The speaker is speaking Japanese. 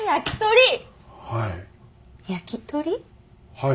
はい。